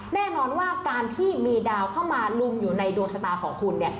แน่นอนว่าการที่มีดาวเข้ามาลุมอยู่ในดวงชะตาของคุณเนี่ย